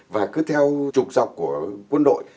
và cứ theo trục dọc của quân đội